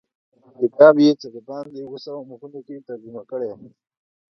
کتاب یې په څه باندې اووه سوه مخونو کې ترجمه کړی.